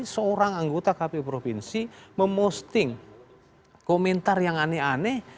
seorang anggota kpu provinsi memosting komentar yang aneh aneh